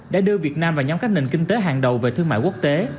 đã đưa việt nam vào nhóm các nền kinh tế hàng đầu về thương mại quốc tế